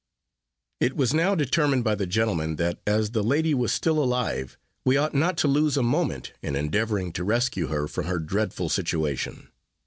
It was now determined by the gentlemen, that as the lady was still alive, we ought not to lose a moment in endeavoring to rescue her from her dreadful situation.